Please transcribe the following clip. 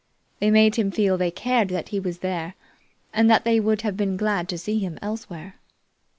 They made him feel they cared that he was there, and that they would have been glad to see him elsewhere.